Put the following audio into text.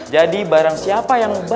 jadi barang siapa yang mendapat dosa